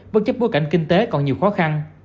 bất chấp bối cảnh kinh tế còn nhiều khó khăn